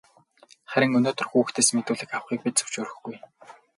Харин өнөөдөр хүүхдээс мэдүүлэг авахыг бид зөвшөөрөхгүй.